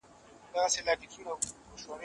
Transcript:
زه پرون انځورونه رسم کوم!؟